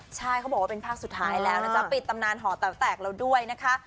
ใช่เขาบอกว่าเป็นภาคสุดท้ายแล้วนะจ๊ะปิดตำนานหอแต๋วแตกแล้วด้วยนะคะ